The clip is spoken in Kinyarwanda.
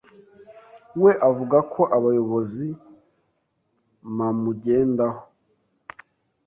We avuga ko abayobozi mamugendaho